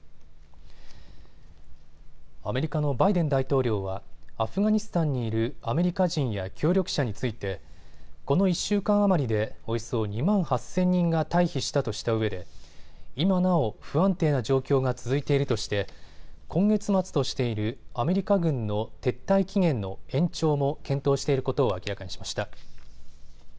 アメリカのバイデン大統領はアフガニスタンにいるアメリカ人や協力者についてこの１週間余りでおよそ２万８０００人が退避したとしたうえで今なお不安定な状況が続いているとして今月末としているアメリカ軍の撤退期限の延長も検討していることを明らかにしました。